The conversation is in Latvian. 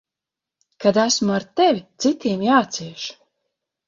Kad esmu ar tevi, citiem jācieš.